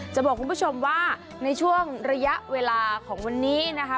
จะบอกคุณผู้ชมว่าในช่วงระยะเวลาของวันนี้นะคะ